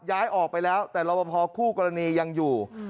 ย้ายออกไปแล้วแต่รอบพอคู่กรณียังอยู่